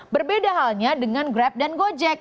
berbeda halnya dengan grab dan gojek